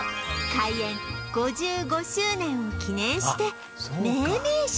開園５５周年を記念して命名式が